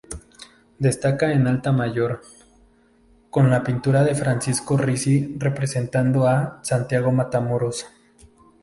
Destaca el altar mayor, con la pintura de Francisco Rizi representando a "Santiago Matamoros".